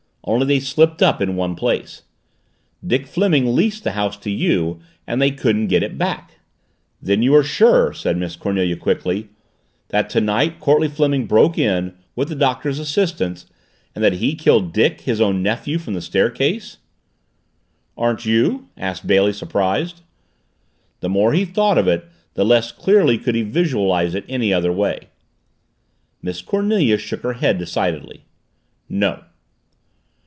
"Only they slipped up in one place. Dick Fleming leased the house to you and they couldn't get it back." "Then you are sure," said Miss Cornelia quickly, "that tonight Courtleigh Fleming broke in, with the Doctor's assistance and that he killed Dick, his own nephew, from the staircase?" "Aren't you?" asked Bailey surprised. The more he thought of it the less clearly could he visualize it any other way. Miss Cornelia shook her head decidedly. "No."